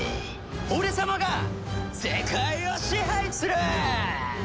俺様が世界を支配する！